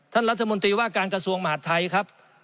รัฐมนตรีว่าการกระทรวงมหาดไทยครับ